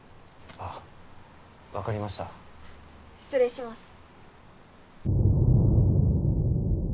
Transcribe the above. あっ分かりました失礼します